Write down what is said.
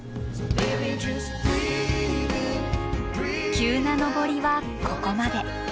急な登りはここまで。